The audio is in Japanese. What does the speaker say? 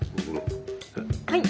はい！